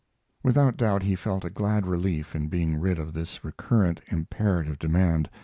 Without doubt he felt a glad relief in being rid of this recurrent, imperative demand.